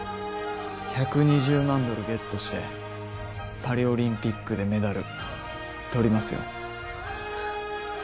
１２０万ドルゲットしてパリオリンピックでメダルとりますよ